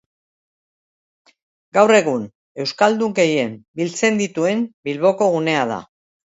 Gaur egun, euskaldun gehien biltzen dituen Bilboko gunea da.